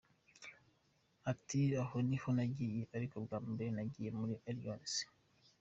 Ati Aho niho nagiye ariko bwa mbere nagiye muri Illinois.